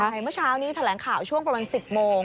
เมื่อเช้านี้แถลงข่าวช่วงประมาณ๑๐โมง